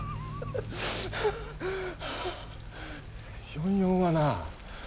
４４はな